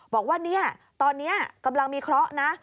บอกว่าเนี่ยตอนนี้กำลังมีเคราะห์นะ